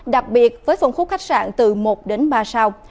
đặc biệt với phân khúc khách sạn từ một đến ba sao